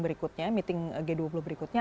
berikutnya meeting g dua puluh berikutnya